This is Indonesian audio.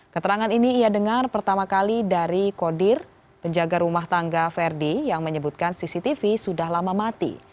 keterangan ini ia dengar pertama kali dari kodir penjaga rumah tangga verdi yang menyebutkan cctv sudah lama mati